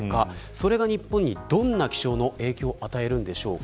それが日本に、どんな気象の影響を与えるんでしょうか。